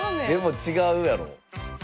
でも違うやろ？